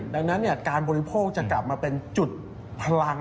ดังนั้นการบริโภคจะกลับมาเป็นจุดพลัง